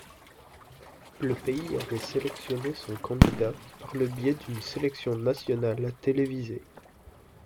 Le pays avait sélectionné son candidat par le biais d'une sélection nationale télévisée.